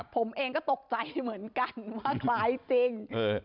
ผมเองก็ตกใจเหมือนกันว่าคล้ายจริง